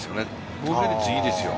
防御率いいですよ。